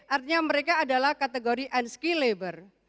artinya mereka adalah kategori unskill labor